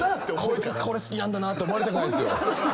これ好きなんだなって思われたくないんすよ。